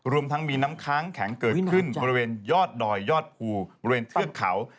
รวมทั้งมีน้ำค้างแข็งเกิดขึ้นบริเวณยอดดอยยอดภูบริเวณเทือกเขา